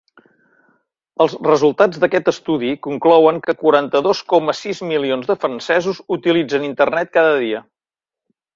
Els resultats d'aquest estudi conclouen que quaranta-dos coma sis milions de francesos utilitzen Internet cada dia.